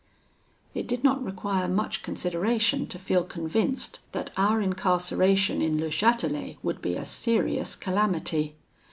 "It did not require much consideration to feel convinced that our incarceration in Le Chatelet would be a serious calamity.